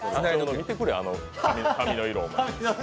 見てくれ、あの髪の色。